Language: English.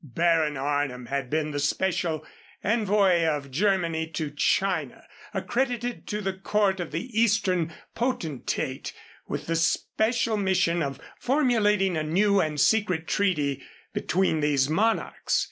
Baron Arnim had been the special envoy of Germany to China, accredited to the court of the Eastern potentate with the special mission of formulating a new and secret treaty between these monarchs.